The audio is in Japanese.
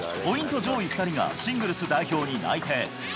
上位２人がシングルス代表に内定。